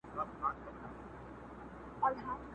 بوډا ژړل ورته یوازي څو کیسې یادي وې٫